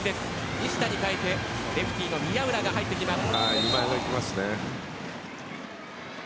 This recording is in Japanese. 西田に代えてレフティの宮浦が入ります。